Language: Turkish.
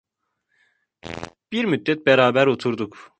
Bir müddet beraber oturduk.